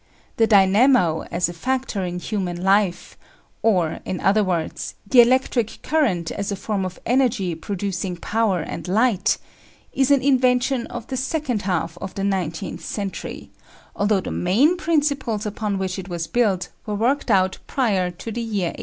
The dynamo, as a factor in human life or, in other words, the electric current as a form of energy producing power and light is an invention of the second half of the nineteenth century, although the main principles upon which it was built were worked out prior to the year 1851.